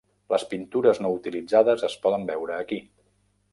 Les pintures no utilitzades es poden veure aquí.